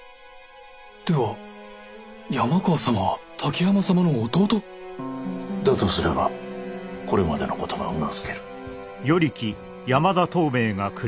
では山川様は滝山様の弟？だとすればこれまでのことがうなずける。